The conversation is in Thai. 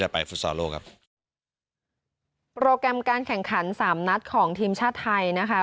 โปรแกรมการแข่งขันสามนัดของทีมชาติไทยนะคะ